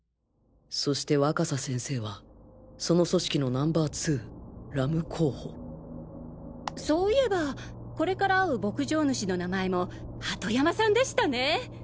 そして若狭先生はその組織の Ｎｏ．２ＲＵＭ 候補そういえばこれから会う牧場主の名前も鳩山さんでしたね。